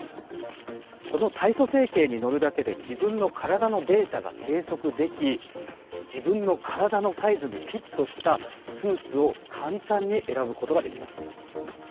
この体組成計に乗るだけで自分の体のデータが計測でき自分の体のサイズにフィットしたスーツを簡単に選ぶことができます。